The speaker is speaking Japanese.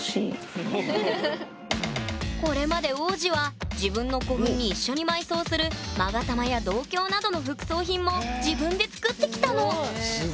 これまで王子は自分の古墳に一緒に埋葬する勾玉や銅鏡などの副葬品も自分で作ってきたの！